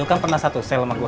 lu kan pernah satu sale sama gua